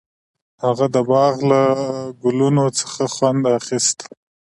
هغه د باغ له ګلونو څخه خوند اخیست.